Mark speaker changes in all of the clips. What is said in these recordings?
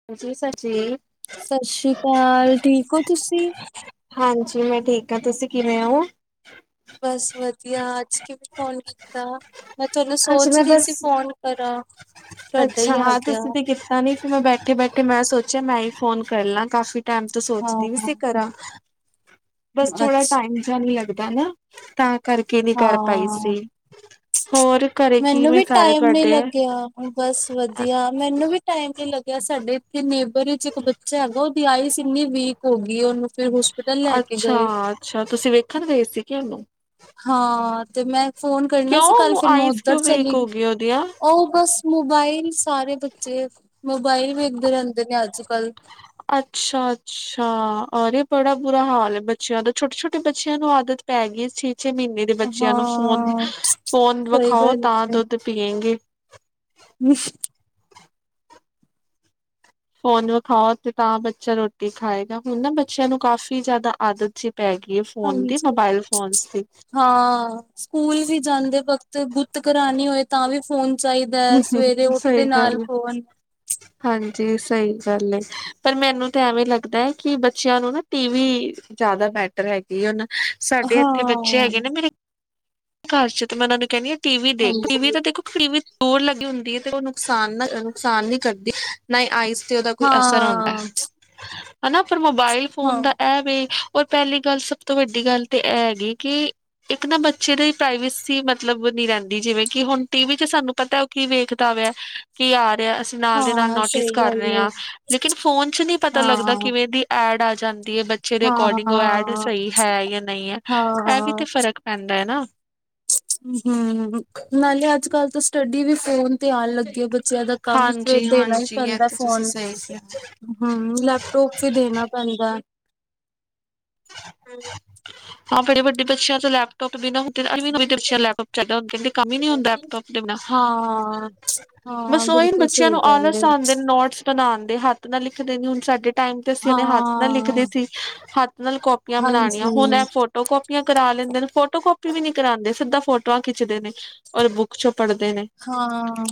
Speaker 1: [inaudible]
Speaker 2: ਸਤਿ ਸ੍ਰੀ ਅਕਾਲ ਠੀਕ ਹੋ ਤੁਸੀਂ
Speaker 1: ਹਾਂਜੀ ਮੈਂ ਠੀਕ ਹਾਂ ਤੁਸੀਂ ਕਿਵੇਂ ਹੋ
Speaker 2: ਬਸ ਵਧੀਆ ਅੱਜ ਕਿਵੇਂ ਫੋਨ ਕੀਤਾ ਮੈਂ ਤੁਹਾਨੂੰ
Speaker 1: ਅੱਜ
Speaker 2: ਸੋਚ
Speaker 1: ਮੈਂ
Speaker 2: ਰਹੀ
Speaker 1: ਬਸ
Speaker 2: ਸੀ ਫੋਨ ਕਰਾਂ ਤੁਹਾਡਾ ਹੀ ਆ ਗਿਆ
Speaker 1: ਤਾਂ ਨਹੀਂ ਫੋਨ ਮੈਂ ਬੈਠੇ ਬੈਠੇ ਮੈਂ ਸੋਚਿਆ ਮੈਂ ਹੀ ਫੋਨ ਕਰ ਲਾਂ ਕਾਫੀ ਟਾਈਮ ਤੋਂ
Speaker 2: ਹਾਂ
Speaker 1: ਸੋਚਦੀ ਵੀ ਸੀ ਕਰਾਂ ਬਸ ਥੋੜਾ
Speaker 2: ਅੱਛ
Speaker 1: ਟਾਈਮ ਜਿਹਾ ਨਹੀਂ ਲੱਗਦਾ ਨਾ ਤਾਂ ਕਰਕੇ ਨਹੀਂ ਕਰ ਪਾਈ
Speaker 2: ਹਾਂ
Speaker 1: ਸੀ ਹੋਰ ਘਰੇ
Speaker 2: ਮੈਨੂੰ
Speaker 1: ਕਿਵੇਂ
Speaker 2: ਵੀ
Speaker 1: ਸਾਰੇ
Speaker 2: ਟਾਈਮ ਨੀ
Speaker 1: ਤੁਹਾਡੇ
Speaker 2: ਲੱਗਿਆ ਬਸ ਵਧੀਆ ਮੈਨੂੰ ਵੀ ਟਾਈਮ ਨੀ ਲੱਗਿਆ ਸਾਡੇ ਇੱਥੇ ਨੇਬਰ ਚ ਇੱਕ ਬੱਚਾ ਹੈਗਾ ਉਹਦੀ ਆਈਜ ਇੰਨੀ ਵੀਕ ਹੋ ਗਈ ਉਹਨੂੰ ਫਿਰ ਹੋਸਪਿਟਲ ਲੈ ਕੇ
Speaker 1: ਅੱਛਾ
Speaker 2: ਗਏ।
Speaker 1: ਅੱਛਾ ਤੁਸੀਂ ਵੇਖਣ ਗਏ ਸੀ ਕਿ ਉਹਨੂੰ
Speaker 2: ਹਾਂ ਤੇ ਮੈਂ ਫੋਨ ਕਰਨਾ
Speaker 1: ਕਿਉਂ
Speaker 2: ਸੀ ਕੱਲ
Speaker 1: ਉਹਨੂੰ
Speaker 2: ਫੇਰ ਮੈਂ
Speaker 1: ਆਈਜ਼
Speaker 2: ਉੱਧਰ
Speaker 1: ਕਿਉਂ ਵੀਕ
Speaker 2: ਚਲੀ
Speaker 1: ਹੋ
Speaker 2: ਗਈ
Speaker 1: ਉਹਦੀਆਂ
Speaker 2: ਉਹ ਬਸ ਮੋਬਾਇਲ ਸਾਰੇ ਬੱਚੇ ਮੋਬਾਇਲ ਵੇਖਦੇ ਰਹਿੰਦੇ ਨੇ ਅੱਜ ਕੱਲ੍ਹ
Speaker 1: ਅੱਛਾ ਅੱਛਾ ਔਰ ਇਹ ਬੜਾ ਬੁਰਾ ਹਾਲ ਹੈ ਬੱਚਿਆਂ ਦਾ ਛੋਟੇ ਛੋਟੇ ਬੱਚਿਆਂ ਨੂੰ ਆਦਤ ਪੈ ਗਈ ਛੇ ਛੇ ਮਹੀਨੇ ਦੇ ਬੱਚਿਆਂ ਨੂੰ ਫੋਨ
Speaker 2: ਹਾਂ
Speaker 1: ਫੋਨ
Speaker 2: ਸਹੀ
Speaker 1: ਵਿਖਾਓ
Speaker 2: ਗੱਲ
Speaker 1: ਤਾਂ
Speaker 2: ਹੈ
Speaker 1: ਦ [inaudible]
Speaker 2: [inaudible]
Speaker 1: ਫੋਨ ਵਿਖਾਓ ਤੇ ਤਾਂ ਬੱਚਾ ਰੋਟੀ ਖਾਏਗਾ ਹੁਣ ਨਾ ਬੱਚਿਆਂ ਨੂੰ ਕਾਫ਼ੀ ਜ਼ਿਆਦਾ ਆਦਤ ਸੀ ਪੈ ਗਈ ਹੈ ਫੋਨ ਦੀ
Speaker 2: ਹਾਂਜੀ
Speaker 1: ਮੋਬਾਇਲ ਫੋਨਸ ਦੀ
Speaker 2: ਹਾਂ ਸਕੂਲ ਵੀ ਜਾਂਦੇ ਵਕਤ ਗੂਤ ਕਰਾਣੇ ਹੋਏ ਤਾਂ ਵੀ ਫੋਨ ਚਾਹੀਦਾ ਹੈ ਸਵੇਰੇ
Speaker 1: ਸਹੀ
Speaker 2: ਉੱਠਦੇ ਨਾਲ
Speaker 1: ਗੱਲ ਏ।
Speaker 2: ਫ਼ੋਨ
Speaker 1: ਹਾਂਜੀ ਸਹੀ ਗੱਲ ਪਰ ਮੈਨੂੰ ਤਾਂ ਐਵੇਂ ਲੱਗਦਾ ਹੈ ਕਿ ਬੱਚਿਆਂ ਨੂੰ ਨਾ ਟੀ ਵੀ ਜ਼ਿਆਦਾ ਬੈਟ ਹੈਗੇ ਉਹ ਨਾ ਸਾਡੇ
Speaker 2: ਹਾਂ
Speaker 1: ਇੱਥੇ ਬੱਚੇ ਹੈਗੇ ਨੇ ਮੇਰੇ ਘਰ ਤੇ ਮੈਂ ਉਹਨੂੰ ਕਹਨਿ ਆ। ਟੀਵੀ ਦੇਖ ਟੀਵੀ
Speaker 2: ਹਾਂਜੀ
Speaker 1: ਤੇ ਦੇਖੋ ਫਿਰ ਵੀ ਦੂਰ ਲੱਗੀ ਹੁੰਦੀ ਹ ਤੇ ਉਹ ਨੁਕਸਾਨ ਨਾ ਨੁਕਸਾਨ ਨਹੀਂ ਕਰਦੀ। ਨਾ ਹੀ ਆਈਜ਼ ਤੇ ਉਹਦਾ ਕੋਈ ਅਸਰ ਹੁੰਦਾ
Speaker 2: ਹਾਂ
Speaker 1: ਹਨਾ ਪਰ ਮੋਬਾਇਲ ਫੋਨ
Speaker 2: ਹਾਂ
Speaker 1: ਦਾ ਇਹ ਵੀ ਪਤਾ ਨਹੀਂ ਪਹਿਲੀ ਗੱਲ ਸਭ ਤੋਂ ਵੱਡੀ ਗੱਲ ਤੇ ਇਹ ਹੈਗੀ ਕਿ ਇੱਕ ਨਾ ਬੱਚੇ ਦੀ ਪ੍ਰਾਈਵੇਸੀ ਮਤਲਬ ਨੀ ਰਹਿੰਦੀ ਜਿਵੇਂ ਕਿ ਹੁਣ ਟੀ ਵੀ 'ਚ ਸਾਨੂੰ ਪਤਾ ਉਹ ਕੀ ਵੇਖਦਾ ਵ ਕੀ ਆ ਰਿਹਾ ਅ ਨਾਲ ਦੇ ਨਾਲ
Speaker 2: ਹਾਂ
Speaker 1: ਨੋਟਿਸ
Speaker 2: ਸਹੀ
Speaker 1: ਕਰ
Speaker 2: ਗੱਲ
Speaker 1: ਰਹੇ
Speaker 2: ਹੈ
Speaker 1: ਹਾਂ ਲੇਕਿਨ ਫੋਨ 'ਚ ਨਹੀਂ ਪਤਾ ਲੱਗਦਾ
Speaker 2: ਹਾਂ
Speaker 1: ਕਿਵੇਂ ਦੀ ਐਡ ਆ ਜਾਂਦੀ ਹੈ ਬੱਚੇ ਦੇ ਅਕੋਰਡਿੰਗ ਉਹ ਐਡ
Speaker 2: ਹਾਂ
Speaker 1: ਸਹੀ ਹੈ ਜਾਂ ਨਹੀਂ ਹੈ ਇਹ ਵੀ ਤੇ
Speaker 2: ਹਾਂ
Speaker 1: ਫਰਕ ਪੈਂਦਾ ਨਾ।
Speaker 2: [inaudible] ਹੂੰ ਨਾਲੇ ਅੱਜ ਕੱਲ੍ਹ ਤਾਂ ਸਟੱਡੀ ਵੀ ਫੋਨ ਤੇ ਆਣ ਲੱਗੀ ਆ ਬੱਚਿਆਂ ਦਾ ਕੰਮ ਤੇ
Speaker 1: ਹਾਂਜੀ
Speaker 2: ਦੇਣਾ ਹੀ
Speaker 1: ਹਾਂਜੀ ਇਹ
Speaker 2: ਪੈਂਦਾ
Speaker 1: ਤੇ ਤੁਸੀਂ
Speaker 2: ਫੋਨ
Speaker 1: ਸਹੀ ਕਿਹਾ
Speaker 2: ਹੂੰ ਲੈਪ ਟੋਪ ਵੀ ਦੇਣਾ ਪੈਂਦਾ।
Speaker 1: ਹਾਂ ਬੜੇ ਵੱਡੇ ਬੱਚਿਆਂ ਤੋਂ ਲੈਪ ਟੋਪ ਵੀ ਨਾ। ਤੇ ਅ ਲੈਪਟੋਪ ਚੱਲਦਾ ਹੁੰ ਕਹਿੰ [unintelligible] ਕੰਮ ਨੀ ਹੁੰਦਾ ਲੈਪਟੋਪ ਦੇ ਬਿਨਾਂ
Speaker 2: ਹਾਂ, ਹਾਂ
Speaker 1: ਬਸ ਉਈ
Speaker 2: ਬਿਲਕੁਲ
Speaker 1: ਬੱਚਿਆਂ
Speaker 2: ਸਹੀ
Speaker 1: ਨੂੰ
Speaker 2: ਗੱਲ ਏ।
Speaker 1: ਆਲਸ ਆਂਦੇ ਨੋਟਿਸ ਪਣਾਂਣ ਦੇ ਹੱਥ ਨਾਲ ਲਿਖਦੇ ਨੇ ਹੁਣ ਸਾਡੇ ਟਾਈਮ ਤੇ ਅਸੀਂ ਆਪਣੇ ਹੱਥ ਨਾਲ ਲਿਖਦੇ
Speaker 2: ਹਾਂ,
Speaker 1: ਥੀ ਹੱਥ ਕਾਪੀਆਂ ਬਣਾਣੀਆਂ ਹੁਣ
Speaker 2: ਹਾਂਜੀ,
Speaker 1: ਇਹ ਫੋਟੋ ਕਾਪੀਆਂ ਕਰਾ ਲੈਂਦੇ ਨੇ ਫੋਟੋ ਕਾਪੀ ਵੀ ਕਰਾਂਦੇ ਸਿੱਧਾ ਫੋਟੋ ਟਾਂ ਖਿੱਚਦੇ ਨੇ ਔਰ ਬੁੱਕ 'ਚੋਂ ਪੜ੍ਹਦੇ ਨੇ।
Speaker 2: ਹਾਂ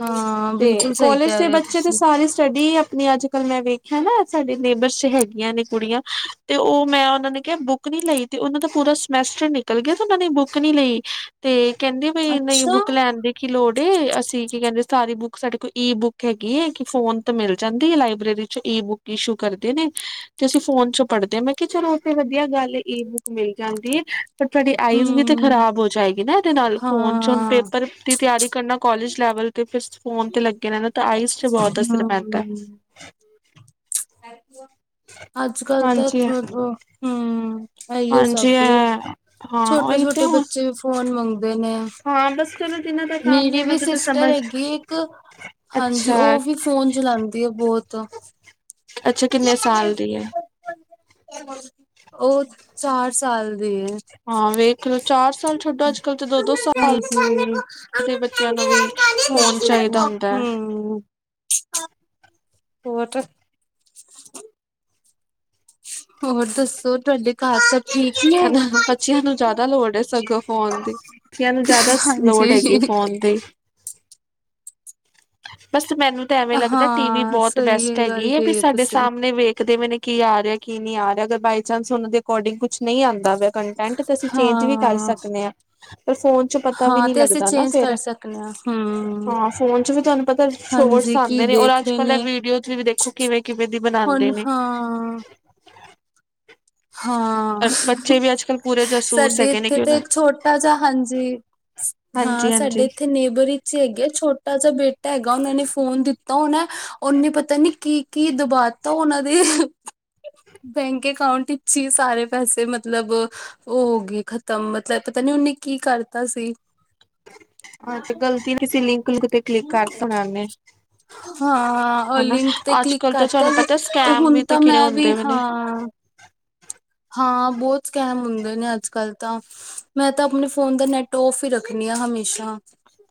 Speaker 2: ਹਾਂ
Speaker 1: ਤੇ
Speaker 2: ਬਿਲਕੁਲ ਸਹੀ
Speaker 1: ਕਾਲਜ
Speaker 2: ਕਹਿ
Speaker 1: ਦੇ
Speaker 2: ਰਹੇ ਹੋ
Speaker 1: ਬੱਚੇ ਤੇ
Speaker 2: ਤੁਸੀਂ।
Speaker 1: ਸਾਰੀ ਸਟੱਡੀ ਆਪਣੀ ਅੱਜ ਕਲ ਮੈਂ ਵੇਖਿਆ ਨਾ ਸਾਡੇ ਨੇੇਬਰ 'ਚ ਹੈਗੀਆਂ ਨੇ ਕੁੜੀਆਂ ਤੇ ਉਹ ਮੈਂ ਉਹਨਾਂ ਨੇ ਕਿਹਾ ਬੁੱਕ ਬੁੱਕ ਨੀ ਲਈ ਤੇ ਉਹਨਾਂ ਦਾ ਪੂਰਾ ਸਮੈਸਟਰ ਨਿਕਲ ਗਿਆ ਤੇ ਉਹਨਾਂ ਨੇ ਬੁੱਕ ਨੀ ਲਈ। ਤੇ ਕਹਿੰਦੇ ਬਈ ਨਹੀਂ
Speaker 2: ਅੱਛਾ,
Speaker 1: ਬੁੱਕ ਲੈਣ ਦੀ ਕੀ ਲੋੜ ਏ ਅਸੀਂ ਕੀ ਕਹਿੰਦੇ ਸਾਰੀ ਬੁੱਕ ਸਾਡੇ ਕੋਲ ਈ ਬੁੱਕ ਹੈਗੀ ਹੈ ਕਿ ਫੋਨ ਤੋਂ ਮਿਲ ਜਾਂਦੀ ਹੈ ਲਾਇਬ੍ਰੇਰੀ 'ਚ ਈ ਬੁੱਕ ਇਸ਼ੂ ਕਰਦੇ ਨੇ। ਤੇ ਅਸੀਂ ਫੋਨ 'ਚੋਂ ਪੜ੍ਹਦੇ ਹਾਂ ਮੈਂ ਕਿਹਾ ਚਲੋ ਉਥੇ ਵਧੀਆ ਗੱਲ ਈ ਬੁੱਕ ਮਿਲ ਜਾਂਦੀ ਹੈ। ਪਰ ਤੁਹਾਡੀ ਆਈਜ਼ ਵੀ ਤੇ ਖ਼ਰਾਬ
Speaker 2: ਹੂੰ,
Speaker 1: ਹੋ ਜਾਏਗੀ ਨਾ ਇਹਦੇ ਨਾਲ ਫੋਨ 'ਚ ਹੁਣ ਪੇ
Speaker 2: ਹਾਂ,
Speaker 1: ਪਰ ਦੀ ਤਿਆਰੀ ਕਰਨਾ ਕਾਲਜ ਲੈਵਲ ਤੇ ਫ ਫੋਨ ਤੇ ਲੱਗੇ ਨੇ ਆਈਸ 'ਚ ਬਹੁਤ ਅਸਰ ਪੈਂਦਾ।
Speaker 2: ਹੂੰ। [inaudible] ਅੱਜ ਕੱਲ ਤਾਂ
Speaker 1: ਹਾਂਜੀ।
Speaker 2: ਮਤਲਬ ਹੂੰ ਇਹੀਓ ਸਭ
Speaker 1: ਹਾਂਜੀ
Speaker 2: ਏ।
Speaker 1: ਅ ਹਾਂ
Speaker 2: ਛੋਟੇ
Speaker 1: ਉਹੀ ਤੇ
Speaker 2: ਛੋਟੇ
Speaker 1: ਹੁਣ
Speaker 2: ਬੱਚੇ ਵੀ ਫੋਨ ਮੰਗਦੇ ਨੇ।
Speaker 1: ਹਾਂ ਬਸ ਚਲੋ ਜਿਨਾਂ ਦਾ
Speaker 2: [inaudible]
Speaker 1: ਕੰਮ ਹੈ
Speaker 2: ਮੇਰੀ
Speaker 1: ਉਹਨਾਂ
Speaker 2: ਵੀ
Speaker 1: ਦਾ ਤਾਂ
Speaker 2: ਸਿਸਟਰ
Speaker 1: ਸਮਝ
Speaker 2: ਹੈਗੀ ਇੱਕ ਹਾਂਜੀ
Speaker 1: ਅੱਛਾ
Speaker 2: ਉਹ ਵੀ ਫੋਨ ਚਲਾਉਂਦੀ ਆ ਬਹੁਤ
Speaker 1: ਅੱਛਾ ਕਿੰਨੇ ਸਾਲ ਦੀ ਹੈ।
Speaker 2: ਉਹ ਚਾਰ ਸਾਲ ਦੀ ਏ।
Speaker 1: ਹਾਂ ਵੇਖ ਲਓ ਚਾਰ ਸਾਲ ਛੋਟਾ ਅੱਜ ਕੱਲ ਤੇ ਦੋ -ਦੋ ਸਾਲ
Speaker 2: ਹੂੰ
Speaker 1: ਬੱਚਿਆਂ ਨੂੰ ਵੀ ਫੋਨ ਚਾਹੀਦਾ ਹੁੰਦਾ ਹੈ।
Speaker 2: [inaudible] ਹੋਰ ਤੁ ਸੀ ਹੋਰ ਦੱਸੋ ਤੁਹਾਡੇ ਘਰ ਸਭ ਠੀਕ ਨੇ। [inaudible]
Speaker 1: ਹਨਾ ਬੱਚਿਆਂ ਨੂੰ ਜ਼ਿਆਦਾ ਲੋੜ ਹੈ ਸਗੋਂ ਫੋਨ ਦੀ। ਬੱਚਿਆਂ ਨੂੰ ਜ਼ਿਆਦਾ ਸ ਲੋਡ ਹੈਗੀ
Speaker 2: ਹਾਂਜੀ
Speaker 1: ਫੋਨ ਤੇ ਬਸ ਮੈਨੂੰ ਤਾਂ ਐਵੇਂ ਲੱਗਦਾ ਟੀ ਵੀ
Speaker 2: ਹਾਂ
Speaker 1: ਬਹੁਤ
Speaker 2: ਸਹੀ
Speaker 1: ਬੈਸਟ
Speaker 2: ਗੱਲ
Speaker 1: ਹੈਗੀ ਹੈ ਵੀ
Speaker 2: ਕਹੀ
Speaker 1: ਸਾਡੇ
Speaker 2: ਤੁਸੀਂ
Speaker 1: ਸਾਹਮਣੇ ਵੇਖਦੇ ਪੇ ਨੇ। ਕੀ ਆ ਰਿਹਾ ਕੀ ਨਹੀਂ ਆ ਰਿਹਾ ਅਗਰ ਬਏ ਚਾਂਸ ਉਹਨਾਂ ਦੇ ਅਕੋਰਡਿੰਗ ਕੁਛ ਨਹੀਂ ਆਉਂਦਾ ਕੰਟੈਂਟ ਅਸੀਂ ਚੇਂਜ ਵੀ ਕਰ
Speaker 2: ਹਾਂ
Speaker 1: ਸਕਦੇ ਹਾਂ ਪਰ ਫੋਨ ਪਤਾ ਵੀ
Speaker 2: ਹਾਂ
Speaker 1: ਨਹੀਂ
Speaker 2: ਤੇ ਅਸੀਂ
Speaker 1: ਲੱਗਦਾ ਨਾ
Speaker 2: ਚੇਂਜ ਕਰ
Speaker 1: ਫਿਰ
Speaker 2: ਸਕਦੇ ਹਾਂ ਹੂੰ
Speaker 1: ਹਾਂ ਫੋਨ ਚ ਵੀ ਤੁਹਾਨੂੰ ਪਤਾ ਸ਼ੋਰਟਸ
Speaker 2: ਹਾਂਜੀ ਕੀ
Speaker 1: ਆਂਦੇ ਨੇ ਓਨਾ
Speaker 2: ਦੇਖ
Speaker 1: ਚ
Speaker 2: ਰਹੇ
Speaker 1: ਕਲਾ
Speaker 2: ਨੇ
Speaker 1: ਵੀਡੀਓਜ਼ ਵੀ ਦੇਖੋ ਕਿਵੇਂ ਕਿਵੇਂ ਦੀ ਬਨਾ
Speaker 2: ਹੁਣ ਹਾਂ ਹਾਂ
Speaker 1: ਬੱਚੇ ਵੀ ਅੱਜ ਕੱਲ੍ਹ ਪੂਰੇ ਜਾਸੂਸ
Speaker 2: ਸਾਡੇ
Speaker 1: ਹੈਗੇ ਨੇ
Speaker 2: ਇੱਥੇ
Speaker 1: ਕਿ
Speaker 2: ਤਾਂ
Speaker 1: ਉਹਨਾਂ
Speaker 2: ਇੱਕ ਛੋਟਾ ਜਿਹਾ ਹਾਂਜੀ
Speaker 1: ਹਾਂਜੀ
Speaker 2: ਹਾਂ ਸਾਡੇ
Speaker 1: ਹਾਂਜੀ
Speaker 2: ਇੱਥੇ ਨੇਬਰ ਈ ਚੇ ਹੈਗੇ ਛੋਟਾ ਜਿਹਾ ਬੇਟਾ ਹੈਗਾ ਉਹਨਾਂ ਨੇ ਫੋਨ ਦਿੱਤਾ ਹੋਨਾ ਐ ਓਨੇ ਪਤਾ ਨੀ ਕੀ ਕੀ ਦਬਾ ਤਾਂ ਉਹਨਾਂ ਦੇ ਬੈਂਕ ਅਕਾਊਂਟ ਇਚ ਹੀ ਸਾਰੇ ਪੈਸੇ ਮਤਲਬ ਓ ਹੋ ਗੇ ਖ਼ਤਮ ਮਤਲਬ ਪਤਾ ਨੀ ਉਹਨੇ ਕੀ ਕਰਤਾ ਸੀ
Speaker 1: ਹਾਂ ਤੇ ਗਲਤੀ ਅਸੀਂ ਲਿੰਕ ਲੁੰਕ ਤੇ ਕਲਿੱਕ ਕਰ ਸੁਣਾਦੇ
Speaker 2: ਹਾਂ ਉਹ
Speaker 1: ਹਨਾ
Speaker 2: ਲਿੰਕ ਤੇ
Speaker 1: ਅੱਜ
Speaker 2: ਕਲਿੱਕ
Speaker 1: ਕਲ੍ਹ ਤਾਂ
Speaker 2: ਕਰਤਾ
Speaker 1: ਤੁਹਾਨੂੰ
Speaker 2: ਸੀ
Speaker 1: ਪਤਾ ਸਕੈਮ
Speaker 2: ਹੁਣ
Speaker 1: ਵੀ ਤੇ
Speaker 2: ਤਾਂ
Speaker 1: ਕਿਹੜੇ
Speaker 2: ਮੈਂ ਵੀ
Speaker 1: ਹੁੰਦੇ ਵੇ ਨੇ
Speaker 2: ਹਾਂ ਹਾਂ ਬਹੁਤ ਸਕੈਮ ਹੁੰਦੇ ਨੇ ਅੱਜ ਕੱਲ੍ਹ ਤਾਂ ਮੈਂ ਤਾਂ ਆਪਣੇ ਫੋਨ ਦਾ ਨੈਟ ਔਫ ਹੀ ਰੱਖਨੀ ਆ ਹਮੇਸ਼ਾ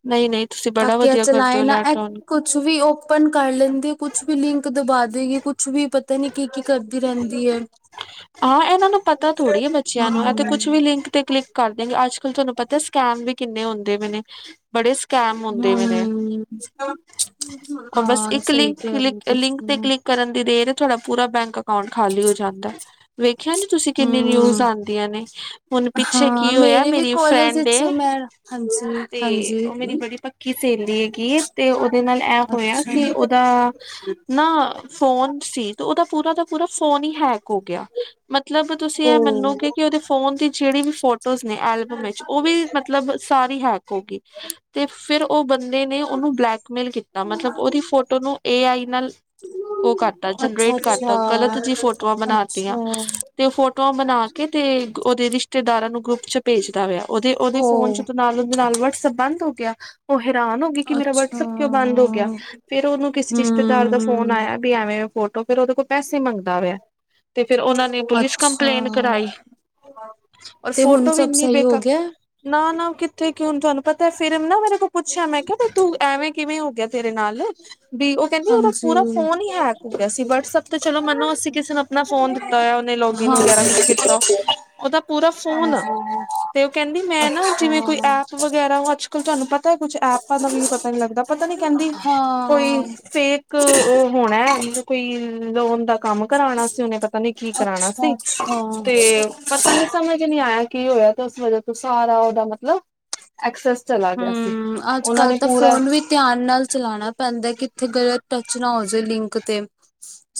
Speaker 1: ਨਈ ਨਈ ਤੁਸੀਂ ਬੜਾ
Speaker 2: ਤਾਂਕਿ ਇਹ
Speaker 1: ਵਧੀਆ ਕਰਦੇ
Speaker 2: ਚਲਾਏ
Speaker 1: ਓ
Speaker 2: ਨਾ ਇਹ
Speaker 1: ਲੈਟ ਓਨ
Speaker 2: ਕੁਛ ਵੀ ਅੋਪਨ ਕਰ ਲੈਂਦੀ ਏ ਕੁਛ ਵੀ ਲਿੰਕ ਦਬਾ ਦੇਗੀ ਕੁਛ ਵੀ ਪਤਾ ਨੀ ਕੀ ਕੀ ਕਰਦੀ ਰੇੰਦੀ ਏ
Speaker 1: ਹਾਂ ਏਨਾਂ ਨੂੰ ਪਤਾ ਥੋੜ੍ਹੀ ਏ ਬੱਚਿਆਂ ਨੂੰ ਐ
Speaker 2: ਹਮ
Speaker 1: ਤੇ ਕੁੱਛ ਵੀ ਲਿੰਕ ਤੇ ਕਲਿੱਕ ਕਰਦੇ ਅੱਜ ਕੱਲ੍ਹ ਤਾਨੂੰ ਪਤਾ ਸਕੈਮ ਵੀ ਕਿੰਨੇ ਹੁੰਦੇ ਪੇ ਨੇ ਬੜੇ ਸ ਕੈਮ ਹੁੰਦੇ ਵੇ ਨੇ
Speaker 2: ਹਮ
Speaker 1: ਉ ਬਸ
Speaker 2: ਹਾਂ
Speaker 1: ਇੱਕ
Speaker 2: ਸਹੀ
Speaker 1: ਲਿੰਕ
Speaker 2: ਕਹਿ ਰਹੇ ਹੋ
Speaker 1: ਕਲੀਕ ਲਿੰਕ ਤੇ
Speaker 2: ਤੁਸੀਂ
Speaker 1: ਕਲਿੱਕ ਕਰਨ ਦੀ ਦੇਰ ਏ ਤੁਾਡਾ ਪੂਰਾ ਬੈਂਕ ਅਕਾਊਂਟ ਖਾਲੀ ਹੋ ਜਾਂਦੈ ਵੇਖਿਆ ਜੇ ਤੁਸੀਂ ਕਿੰਨੀ ਨਿਊਜ਼
Speaker 2: ਹਮ
Speaker 1: ਆਦੀਆਂ ਨੇ ਹੁਣ ਪਿੱਛੇ
Speaker 2: ਹਾਂ
Speaker 1: ਕੀ ਹੋਇਆ
Speaker 2: ਮੇਰੇ ਵੀ
Speaker 1: ਮੇਰੀ
Speaker 2: ਕਾਲਜ
Speaker 1: ਫਰੈਂਡ
Speaker 2: ਵਿੱਚ
Speaker 1: ਏ
Speaker 2: ਮੈਂ ਹਾਂਜੀ
Speaker 1: ਤੇ ਉ ਮੇਰੀ
Speaker 2: ਹਾਂਜੀ
Speaker 1: ਬੜੀ ਪੱਕੀ ਸੇਹਲੀ ਹੈਗੀ ਏ ਤੇ ਉਦੇ ਨਾਲ ਐ ਹੋਇਆ ਕਿ
Speaker 2: ਅੱਛਾ
Speaker 1: ਉਦਾ ਨਾ ਫੋਨ ਸੀ ਤੇ ਉਦਾ ਪੂਰਾ ਦਾ ਪੂਰਾ ਫੋਨ ਈ ਹੈਕ ਹੋ ਗਿ ਮਤਲਬ ਤੁਸੀਂ ਐ ਮਨੋਗੇ
Speaker 2: ਉਹ
Speaker 1: ਕਿ ਉਦੇ ਫੋਨ ਦੀ ਜਿਹੜੀ ਵੀ ਫੋਟੋਜ਼ ਨੇ ਐਲਬਮ ਵਿੱਚ ਉ ਵੀ ਮਤਲਬ ਸਾਰੀ ਹੈਕ ਹੋ ਗੀ ਤੇ ਫਿਰ ਓ ਬੰਦੇ ਨੇ ਉਨੂੰ ਬਲੈਕਮੇਲ ਕੀਤਾ ਮਤਲਬ ਓਦੀ ਫੋਟੋ ਨੂੰ ਏ ਆਈ ਨਾਲ ਓ ਕਰਤਾ
Speaker 2: ਅੱਛਾ
Speaker 1: ਜਨਰੇਟ ਕਰਤਾ
Speaker 2: ਅੱਛਾ
Speaker 1: ਗਲਤ ਜੀ ਫੋਟੋਆਂ ਬਨਾ ਤੀਆਂ
Speaker 2: ਅੱਛਾ
Speaker 1: ਤੇ ਫੋਟੋਆਂ ਬਣਾ ਕੇ ਤੇ ਉਦੇ ਰਿਸ਼ਤੇਦਾਰਾਂ ਨੂੰ ਗਰੁੱਪ ਚ ਭੇਜਦਾ ਪੇਆ ਉਦੇ ਉਦੇ ਫੋਨ ਚ
Speaker 2: ਉਹ
Speaker 1: [unintelligible] ਨਾਲ ਉੰਦੇ ਨਾਲ ਵਟਸਐਪ ਬੰਦ ਅੋ ਗਿਆ ਓ ਹੈਰਾਨ ਹੋ ਗਈ ਕਿ ਮੇਰਾ
Speaker 2: ਅੱਛਾ
Speaker 1: ਵਟਸਐਪ ਕਿਉਂ ਬੰਦ ਹੋ ਗਿਆ ਫੇਰ ਉਹਨੂੰ ਕਿਸੇ ਰਿਸ਼ਤੇਦਾਰ ਦਾ ਫੋਨ
Speaker 2: ਹਮ
Speaker 1: ਆਯਾ ਪੀ ਐਵੇਂ ਐਵੇਂ ਫੋਟੋ ਫਰ ਉਹਦੇ ਕੋਲ ਪੈਸੇ ਮੰਗਦਾ ਪਿਆ ਤੇ ਫਿਰ ਉਨਾਂ ਨੇ ਪੁਲਿਸ
Speaker 2: ਅੱਛਾ
Speaker 1: ਕੰਪਲੇਂਨ ਕਰਾਈ ਔਰ
Speaker 2: ਤੇ ਹੁਣ
Speaker 1: ਫੋਟੋ ਵੀ
Speaker 2: ਸਭ
Speaker 1: ਇੰਨੀ
Speaker 2: ਸਹੀ ਹੋ
Speaker 1: ਬੇਕਾ
Speaker 2: ਗਿਆ
Speaker 1: ਨਾ ਨਾ ਕਿੱਥੇ ਕਿ ਹੁਣ ਤੁਹਾਨੂੰ ਪਤਾ ਹੈ ਫਿਰ ਏਨਾ ਮੇਰੇ ਕੋ ਪੁੱਛਿਆ ਮੈਂ ਕਿਆ ਤੇ ਤੂੰ ਐਵੇਂ ਕਿਵੇਂ ਹੋ ਗਿਆ ਤੇਰੇ ਨਾਲ ਵੀ ਉਹ ਕਹਿੰਦੀ ਓਦਾ ਪੂਰਾ
Speaker 2: ਹਾਂਜੀ
Speaker 1: ਫੋਨ ਈ ਹੈਕ ਸੀ ਵਟਸੈਪ ਤੇ ਚਲੋ ਮੈਨੂੰ ਅਸੀਂ ਕਿਸੇ ਨੂੰ ਆਪਣਾ ਫੋਨ ਦਿੱ ਕੀਤਾ ਹੋਆ ਉਹਨੇ
Speaker 2: ਹਾਂ,
Speaker 1: ਲੋਗਇਨ ਵਗੈਰਾ ਕੁਛ ਕੀਤਾ ਉਹਦਾ ਪੂਰਾ ਫੋਨ
Speaker 2: ਹਾਂਜੀ,
Speaker 1: ਤੇ ਓ ਕਹੰਦੀ ਮੈਂ ਨਾ
Speaker 2: ਅੱਛਾ,
Speaker 1: ਜਿਵੇਂ ਕੋਈ ਐਪ ਵਗੈਰਾ ਅਜ ਬਿਲਕੁਲ ਤੁਹਾਨੂੰ ਪਤਾ ਕੁਛ ਐਪਾਂ ਦਾ ਵੀ ਪਤਾ ਨੀ ਲੱਗਦਾ ਪਤਾ ਨੀ ਕਹਿੰਦੀ ਕੋਈ
Speaker 2: ਹਾਂ।
Speaker 1: ਫੇਕ ਉਹ ਹੋਣਾ ਐ ਮਤਬ ਕੋਈ ਲੋਨ ਦਾ ਕੰਮ ਕਰਾਣਾ ਸੀ ਉਨੇ ਪਤਾ ਨੀ ਕੀ ਕਰਾਣਾ ਸੀ
Speaker 2: ਅੱਛਾ-ਅੱਛਾ,
Speaker 1: ਤੇ ਪਤਾ ਨੀ ਸਬ ਸਮਂਝ ਨਈ ਆਇਆ ਕੀ ਹੋਇਆ ਤੇ ਉਸ ਵਜ੍ਹਾ ਤੋਂ ਸਾਰਾ ਉਹਦਾ ਮਤਲਬ ਐਕਸੈਸ ਚਲਾ ਗਿਆ ਸੀ
Speaker 2: ਹੂੰ,
Speaker 1: ਉਨਾਂ
Speaker 2: ਅੱਜ-ਕੱਲ
Speaker 1: ਨੇ
Speaker 2: ਤਾਂ
Speaker 1: ਪੂਰਾ
Speaker 2: ਫੋਨ ਵੀ ਧਿਆਨ ਨਾਲ ਚਲਾਨਾ ਪੈਂਦਾ ਕਿੱਥੇ ਗਲਤ ਟੱਚ ਨਾ ਹੋ ਜੇ ਲਿੰਕ ਤੇ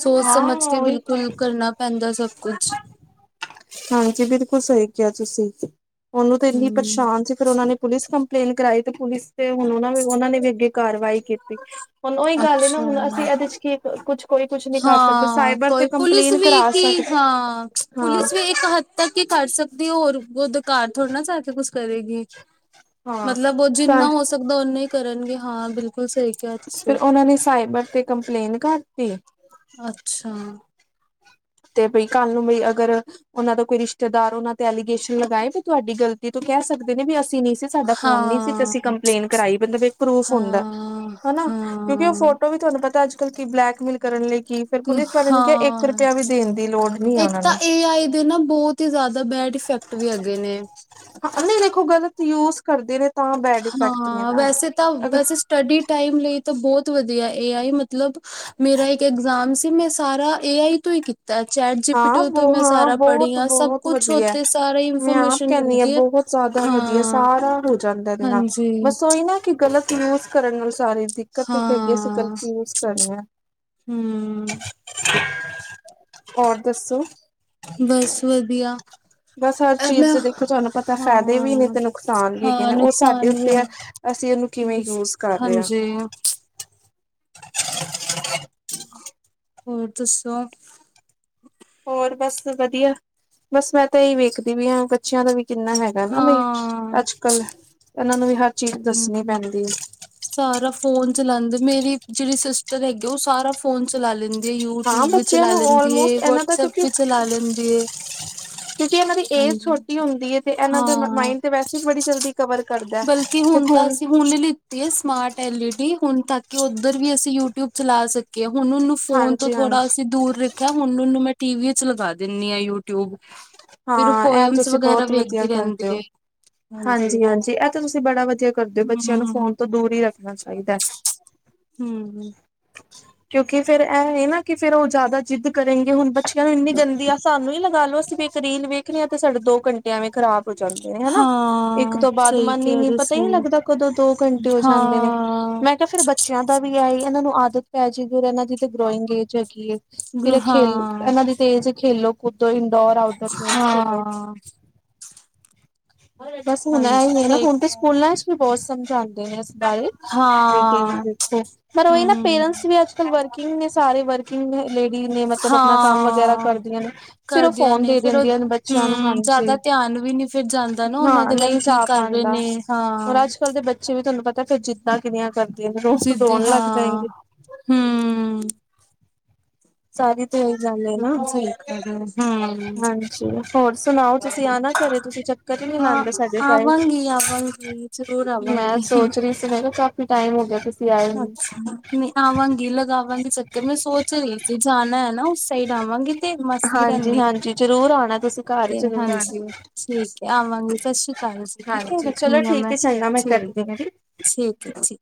Speaker 2: ਸੋਚ
Speaker 1: ਹਾਂ
Speaker 2: ਸਮਝ ਕੇ
Speaker 1: ਉਹੀ
Speaker 2: ਬਿਲਕੁਲ ਕਰਨਾ ਪੈਂਦਾ ਸਭ ਕੁਛ
Speaker 1: ਹਾਂਜੀ ਬਿਲਕੁਲ ਸਈ ਕਿਆ ਤੁਸੀਂ ਉਨੂੰ ਤੇ ਇੰਨੀ
Speaker 2: ਹੂੰ।
Speaker 1: ਪਰਸ਼ਾਨ ਸੀ ਫ਼ਿਰ ਉਹਨਾਂ ਨੇ ਪੁਲਿਸ ਕੰਪਲੇਨ ਕਰਾਈ ਤੇ ਪੁਲਿਸ ਤੇ ਹੁਣ ਉਨਾਂ ਉਨਾਂ ਨੇ ਵੀ ਅੱਗੇ ਕਾਰਵਾਈ ਕੀਤੀ ਹੁਣ ਓਈ ਗੱਲ ਏ ਨਾ ਹੁਣ ਅਸੀਂ
Speaker 2: ਅੱਛਾ,
Speaker 1: ਐਦੇ ਚ ਕੀ ਕੁੱਛ ਕੋਈ ਕੁਛ ਨੀ ਕਰ ਸਕਦਾ
Speaker 2: ਹਾਂ
Speaker 1: ਸਾਈਬਰ ਤੇ
Speaker 2: ਕੋਈ ਪੁਲਿਸ
Speaker 1: ਕੰਪਲੇਨ
Speaker 2: ਵੀ
Speaker 1: ਕਰਾ ਸਕ
Speaker 2: ਕੀ ਹਾਂ
Speaker 1: ਹਾਂ
Speaker 2: ਪੁਲਿਸ ਵੀ ਇੱਕ ਹੱਦ ਤੱਕ ਈ ਕਰ ਸਕਦੀ ਹੋਰ ਓਦੇ ਕਾਰ ਥੋੜ੍ਹੀ ਨਾ ਜਾ ਕੇ ਕੁਛ ਕਰੇਗੀ ਮਤਲਬ ਉਹਚ
Speaker 1: ਹਾਂ।
Speaker 2: ਜਿੰਨਾ ਹੋ ਸਕਦਾ ਓਨਾ ਹੀ ਕਰਨਗੇ ਹਾਂ ਬਿਲਕੁਲ ਸਹੀ ਕਿਆ
Speaker 1: ਫਿਰ
Speaker 2: ਤੁਸੀਂ
Speaker 1: ਉਹਨਾਂ ਨੇ ਸਾਈਬਰ ਤੇ ਕੰਪਲੇਂਨ ਕਰਤੀ
Speaker 2: ਅੱਛਾ!
Speaker 1: ਤੇ ਬਈ, ਕੱਲ ਨੂੰ ਬਈ ਅਗਰ ਉਹਨਾਂ ਦਾ ਕੋਈ ਰਿਸ਼ਤੇਦਾਰ ਉਨਾਂ ਤੇ ਐਲੀਗੇਸ਼ਨ ਲਗਾਏ ਵੀ ਤੁਆਡੀ ਗਲਤੀ ਏ, ਤੋਂ ਕਿਹ ਸਕਦੇ ਨੇ, ਵੀ ਅਸੀਂ ਨਈ ਸੀ ਸਾਡਾ ਫੋਨ ਨੀ ਸੀ ਤੇ
Speaker 2: ਹਾਂ
Speaker 1: ਅਸੀਂ ਕੰਪਲੇਂਨ ਕਰਾਈ, ਮਤਲਬ ਇੱਕ ਪਰੂਫ ਹੁੰਦਾ।
Speaker 2: ਹਾਂ
Speaker 1: ਹਨਾ, ਕਿਉਂਕਿ ਉਹ
Speaker 2: ਹਾਂ
Speaker 1: ਫੋਟੋ ਵੀ ਤੁਹਾਨੂੰ ਪਤਾ ਅੱਜ ਕੱਲ੍ਹ ਕੀ ਬਲੈਕਮੇਲ ਕਰਨ ਲਈ ਕੀ ਫਿਰ ਪੁਲਿਸ ਵਾਲੇ ਨੇ ਕਿਆ ਇੱਕ
Speaker 2: ਹਾਂ
Speaker 1: ਰੁਪਇਆ ਵੀ ਦੇਣ ਦੀ ਲੋੜ ਨੀ ਹੈ
Speaker 2: ਇੱਕ
Speaker 1: ਉਹਨਾਂ
Speaker 2: ਤਾਂ
Speaker 1: ਨੂੰ
Speaker 2: ਏ ਆਈ ਦੇ ਨਾ ਬੋਤ ਈ ਜ਼ਾਦਾ ਬੈਡ ਇਫੈਕਟ ਵੀ ਹੈਗੇ ਨੇ
Speaker 1: ਹਾਂ ਨਹੀਂ ਦੇਖੋ ਗਲਤ ਯੂਜ ਕਰਦੇ ਨੇ [unintelligible] ਤਾਂ ਬੈਡ ਇਫੈਕਟ ਨੇ
Speaker 2: ਹਾਂ
Speaker 1: ਨਾ
Speaker 2: ਵੈਸੇ ਤਾਂ
Speaker 1: ਅਗਰ
Speaker 2: ਵੈਸੇ ਸਟੱਡੀ ਟਾਈਮ ਲਈ ਤਾ, ਬਹੁਤ ਵਧੀਆ। ਏ ਆਈ ਮਤਲਬ ਮੇਰਾ ਇੱਕ ਇਗਜ਼ਾਮ ਸੀ, ਮੈਂ ਸਾਰਾ ਏ ਆਈ ਤੋਂ ਈ ਕੀ ਤਾਂ, ਚੈਟ
Speaker 1: ਹਾਂ
Speaker 2: ਜੀਪੀਟੀ ਤੋਂ
Speaker 1: ਬ
Speaker 2: ਮੈਂ
Speaker 1: ਹਾਂ
Speaker 2: ਸਾਰਾ ਪੜ੍ਹੀ
Speaker 1: ਬਹੁਤ
Speaker 2: ਆਂ, ਸਭ
Speaker 1: ਬਹੁਤ
Speaker 2: ਕੁਛ
Speaker 1: ਵਧੀਆ
Speaker 2: ਓਥੇ, ਸਾਰਾ ਈ ਇਨਫੋਰਮੇਸ਼ਨ ਮਿਲਦੀਏ।
Speaker 1: ਜਾਦਾ ਵਦੀਆ, ਸਾਰਾ ਹੋ ਜਾਂਦਾ ਇਹਦੇ ਨਾਲ,
Speaker 2: ਹਾਂਜੀ
Speaker 1: ਬਸ ਓਈ ਨਾ ਕਿ ਗਲਤ ਯੂਜ਼ ਕਰਣ ਨਾਲ ਸਾਰੇ ਦਿੱਕਤ ਇਕ ਹੈਗੀਏ, ਅਸੀ
Speaker 2: ਹਾਂ
Speaker 1: ਗਲਤ ਯੂਜ਼ ਕਰਨੇ ਆ।
Speaker 2: ਹਮ
Speaker 1: [unintelligible] ਹੋਰ ਦੱਸੋ?
Speaker 2: ਬਸ ਵਧੀਆ।
Speaker 1: ਬਸ ਹਰ
Speaker 2: ਯਾਰ,
Speaker 1: ਚੀਜ਼
Speaker 2: ਮੈਂ,
Speaker 1: ਦੇ ਦੇਖੋ ਤੁਹਾਨੂੰ ਪਤਾ ਫਾਇਦੇ ਵੀ ਨੇ ਤੇ ਨੁਕਸਾਨ ਵੀ ਹੈਗੇ
Speaker 2: ਹਾਂ-ਹਾਂ
Speaker 1: ਨੇ ਉਹ ਸਾਡੇ
Speaker 2: ਨੁਕਸਾਨ ਵੀ
Speaker 1: ਉੱਤੇ ਆ
Speaker 2: ਨੇ
Speaker 1: ਅਸੀਂ ਉਹਨੂੰ ਕਿਵੇਂ ਯੂਜ ਕਰ ਰਹੇ ਹਾਂ
Speaker 2: ਹਾਂਜੀ! ਹੋਰ ਦੱਸੋ?
Speaker 1: ਹੋਰ, ਬਸ ਵਧੀਆ, ਬਸ ਮੈਂ ਤੇ ਏਈ ਵੇਖਦੀ ਵੀ ਆਂ ਬੱਚੇਆਂ ਦਾ ਵੀ ਕਿਨਾ ਹੈ ਹੈਨਾ
Speaker 2: ਹਾਂ
Speaker 1: ਬਈ, ਅਜ-ਕਲ ਇਹਨਾ ਨੂ ਵੀ ਹਰ ਚੀਜ, ਦੱਸਨੀ
Speaker 2: ਹਮ
Speaker 1: ਪੈਂਦੀ ਏ।
Speaker 2: ਸਾਰਾ ਫੋਨ ਚਲਾਂਦੇ, ਮੇਰੀ ਇਕ ਜੇੜੀ ਸੀਸਟਰ ਹੈਗੀਏ, ਓ ਸਾਰਾ ਫੋਨ ਚਲਾ ਲੈਂ
Speaker 1: ਹਾਂ
Speaker 2: ਯੂ-ਟਿਊਬ ਵੀ
Speaker 1: ਬੱਚਿਆਂ
Speaker 2: ਚਲਾ
Speaker 1: ਨੂੰ
Speaker 2: ਲੈਂਦੀ ਏ,
Speaker 1: ਆਲਮੋਸਟ ਇਹਨਾਂ ਦਾ
Speaker 2: ਵਟਸਐਪ
Speaker 1: ਕਿਉਂਕਿ
Speaker 2: ਵੀ ਚਲਾ ਲੈਂਦੀ ਏ।
Speaker 1: ਕਿਉਂਕਿ ਇਹਨਾਂ ਦੀ ਏਜ ਛੋਟੀ ਹੁੰਦੀਏ ਤੇ ਐਨਾਂ ਦਾ
Speaker 2: ਹਾਂ
Speaker 1: ਮਾਇੰਡ ਤੇ ਵੈਸੇ ਈ ਬੜੀ ਜਲਦੀ ਕਵਰ ਕਰਦੈ, ਤੇ ਹੁਨ
Speaker 2: ਹੁਨ ਲਿੱਤੀ ਏ ਸਮਾਰਟ ਐਲ ਈ ਡੀ ਹੁਨ, ਤਾਕਿ ਓਧਰ ਵੀ ਅਸੀ ਯੂਟਊਬ ਚਲਾ ਸਕ ਹੁਨ, ਓਹਨੂ ਫੋਨ ਤੋ
Speaker 1: ਹਾਂਜੀ
Speaker 2: ਥੋੜਾ
Speaker 1: ਹਾਂਜੀ
Speaker 2: ਅਸੀ ਦੂਰ ਰਖਿਆ, ਹੁਨ ਉਨੂ ਮੈਂ ਟੀਵੀ ਏਚ ਲਗਾ ਦੇਂਨੀ ਆ ਯੂ ਟਿਯੂਬ, ਫਿਰ ਓ
Speaker 1: ਹਾਂ ਇਹ
Speaker 2: ਪੋਏਮਸ
Speaker 1: ਤੁਸੀਂ
Speaker 2: ਵਗੈਰਾ ਵੇਖਦੀ ਰਹਿੰਦੀ ਏ।
Speaker 1: ਹਾਂਜੀ-ਹਾਂਜੀ, ਐ, ਤੇ ਤੂਸੀ ਬੜਾ ਵਧੀਆ ਕਰਦੇ ਓ, ਬੱਚਿਆਂ ਨੂ
Speaker 2: ਹੂੰ,
Speaker 1: ਫੋਨ ਤੋਂ ਦੂਰ ਈ ਰਖਨਾ ਚਾਈਦਾ।
Speaker 2: ਹੂੰ।
Speaker 1: ਕਿਉਂਕਿ ਫਿਰ ਐ ਹੇਨਾ ਕਿ ਫਿਰ ਓ ਜਾਦਾ ਜਿੱਦ ਕਰੇਂਗੇ, ਹੁਨ ਬੱਚਿਆਂ ਨੂ ਇਨੀ ਗੰਦੀਆ ਸਾੰਨੁ ਈ ਲਗਾਲੋ ਅਸੀ ਵੀ ਰੀਲ ਵੇਖਨੀਆ ਤੇ ਸਾਡੇ ਦੋ ਘੰਟੇ ਐਂਵੇ ਖਰਾਬ ਹੋ ਜਾਂਦੇ ਨੇ, ਹੈਨਾ। ਇਕ
Speaker 2: ਹਾਂ
Speaker 1: ਤੋ ਬਾਦ
Speaker 2: ਸਹੀ
Speaker 1: ਮਨ ਈ
Speaker 2: ਕਿਹਾ
Speaker 1: ਨੀ, ਪਤਾਈ
Speaker 2: ਤੁਸੀਂ
Speaker 1: ਨੀ ਲਗਦਾ ਕਦੋ ਦੋ ਘੰਟੇ ਹੋ ਜਾਂਦੇ ਨੇ,
Speaker 2: ਹਾਂ,
Speaker 1: ਮੈਂ ਕਿਆ, ਫਿਰ ਬੱਚਿਆਂ ਦਾ ਵੀ ਐਈ ਇਹਨਾਂ ਨੂ ਆਦਤ ਪੈਜੇਗੀ ਓਹਦੇ ਨਾ, ਜੀਦੀ ਗ੍ਰੋਈੰਗ ਏਜ ਹੈਗੀਏ, ਫਿਰ ਐ, ਖੇਲ
Speaker 2: ਹਾਂ,
Speaker 1: ਇਹਨਾ ਦੀ ਤੇਜ ਖੇਲੋ, ਕੂੱਦੋ, ਇੰਡੋਰ
Speaker 2: ਹਾਂ!
Speaker 1: ਬਸ ਹੁਨ
Speaker 2: ਹਾਂਜੀ
Speaker 1: ਐਈ ਏ ਨਾ,
Speaker 2: ਸਹੀ
Speaker 1: ਹੁਣ ਤੇ
Speaker 2: ਕਿਹਾ,
Speaker 1: ਸੂਕੂਲਾਂ'ਚ ਵੀ ਬਹੁਤ ਸਮਝਾਂਦੇ ਨੇ ਅ ਬਾਰੇ, ਬੇਟੇ ਨੂੰ
Speaker 2: ਹਾਂ,
Speaker 1: ਦੇਖੋ। ਪਰ ਓਹੀ ਨਾ ਪੇਰੈਂਟਸ
Speaker 2: ਹੂੰ।
Speaker 1: ਵੀ ਅੱਜ-ਕਲ ਵਰਕਿੰਗ ਨੇ, ਸਾਰੇ ਵਰਕ ਲੇਡੀ ਨੇ ਮਤਲਬ ਅਪਨਾ ਕੰਮ ਵਗੈਰਾ
Speaker 2: ਹਾਂ,
Speaker 1: ਕਰਦੀਆਂ ਨੇ, ਫਿਰ ਓ
Speaker 2: ਕਰਦਿਆਂ
Speaker 1: ਫੋਨ
Speaker 2: ਨੇ
Speaker 1: ਦੇ
Speaker 2: ਫੇਰ ਉਹ
Speaker 1: ਦੇੰਦੀਆਂ ਨੇ ਬੱਚਿਆਂ ਨੂ
Speaker 2: ਹੂੰ, ਜ਼ਿਆਦਾ
Speaker 1: ਹਾਂਜੀ,
Speaker 2: ਧਿਆਨ ਵੀ ਨੀ ਫਿਰ ਜਾਂਦਾ ਨਾ ਉਹਨਾਂ
Speaker 1: ਹਾਂ
Speaker 2: ਦੇ ਵੱਲ
Speaker 1: ਨਈ
Speaker 2: ਕੀ
Speaker 1: ਜਾ
Speaker 2: ਕਰ ਰਹੇ
Speaker 1: ਪਾਂਦਾ।
Speaker 2: ਨੇ ਹਾਂ।
Speaker 1: ਹੁਣ ਅੱਜ-ਕਲ ਦੇ ਬੱਚੇ ਵੀ ਤੂੰਆਨੂ ਪਤਾ, ਫਿਰ ਜਿੱਦਾਂ ਕਿਨੀਆਂ ਕਰਦੀਆਂ ਨੇ,
Speaker 2: ਜਿੱਦ
Speaker 1: ਰੋਣ ਲੱਗ
Speaker 2: ਹਾਂ,
Speaker 1: ਜਾਏਂਗੇ।
Speaker 2: ਹੂੰ।
Speaker 1: ਸਾਰੀ ਤੇ ਐ ਈ ਗਲ ਏਨਾ,
Speaker 2: ਬਿਲਕੁਲ ਸਹੀ ਕਹਿ ਰਹੇ ਹੋ, ਹੂੰ,
Speaker 1: ਹਾਂਜੀ। ਹੋਰ ਸੁਨਾਓ? ਤੂਸੀ ਆਨਾ ਘਰੇ, ਤੂਸੀ ਚੱਕਰ ਈ ਨਈ
Speaker 2: ਹਾਂ
Speaker 1: ਲਾਂਦੇ, ਸਾਡੇ ਘਰ।
Speaker 2: ਆਵਾਂਗੀ, ਆਵਾਂਗੀ ਜ਼ਰੂਰ
Speaker 1: ''ਮੈਂ
Speaker 2: ਆਵਾਂਗੀ।
Speaker 1: ਸੋਚ ਰਹੀ ਸੀ, ਮੈ ਕਿਆ ਕਾਫ਼ੀ ਟਾਈਮ ਹੋਗਿਆ, ਤੂਸੀ ਆਏ ਨੀ।
Speaker 2: ਅੱਛਾ ਨਹੀਂ ਆਵਾਂਗੀ, ਲਗਾਵਾਂਗੀ ਚੱਕਰ, ਮੈਂ ਸੋਚ ਰਈ ਸੀ, ਜਾਨਾ ਏਨਾ ਉਸ ਸਾਈਡ ਆਵਾਂਗੀ ਤੇ ਮਾਸੀ ਰਹਿੰਦੀ ਹੈ
Speaker 1: ਹਾਂਜੀ-ਹਾਂਜੀ ਜਰੂਰ ਆਣੈ, ਤੂਸੀ। ਘਰ
Speaker 2: ਤੇ
Speaker 1: ਜਰੂਰ ਆਣਾ।
Speaker 2: ਹਾਂਜੀ ਠੀਕ ਹੈ ਆਵਾਂਗੀ ਸਤਿ ਸ੍ਰੀ ਅਕਾਲ ਜੀ ਠੀਕ ਹੈ
Speaker 1: ਹਾਂਜੀ, ਚਲੋ ਠੀਕ ਏ, ਚੰਗਾ ਮੈਂ ਕਰ [unintelligible]
Speaker 2: ਠੀਕੈ ਠੀਕ